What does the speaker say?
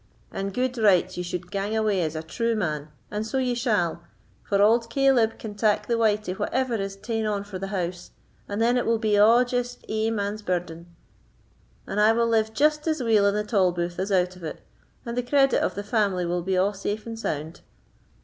"And gude right ye suld gang away as a true man, and so ye shall; for auld Caleb can tak the wyte of whatever is taen on for the house, and then it will be a' just ae man's burden; and I will live just as weel in the tolbooth as out of it, and the credit of the family will be a' safe and sound."